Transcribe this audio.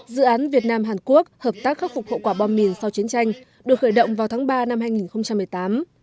dự án việt nam hàn quốc hợp tác khắc phục hậu quả bom mìn sau chiến tranh được khởi động vào tháng ba năm hai nghìn một mươi tám